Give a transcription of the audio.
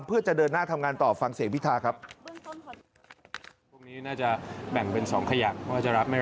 เพื่อจะเดินหน้าทำงานต่อฟังเสียงพิธาครับ